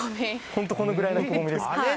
本当このぐらいのくぼみですはい。